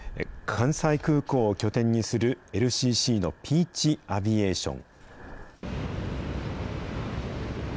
関西空港を拠点にする、ＬＣＣのピーチ・アビエーション。